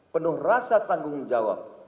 penuh rasa tanggung jawab